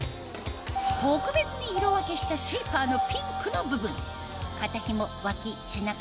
特別に色分けしたシェイパーのピンクの部分肩紐脇背中